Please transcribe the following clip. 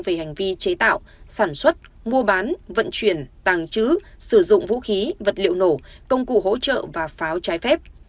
về hành vi chế tạo sản xuất mua bán vận chuyển tàng trữ sử dụng vũ khí vật liệu nổ công cụ hỗ trợ và pháo trái phép